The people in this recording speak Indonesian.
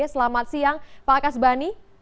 selamat siang pak kas bani